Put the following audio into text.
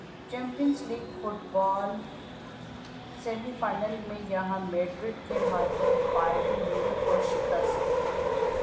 champions League football semi final میں Real Madrid کے ہاتھوں بائرن میونخ کو شکست